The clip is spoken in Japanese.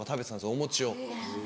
お餅を。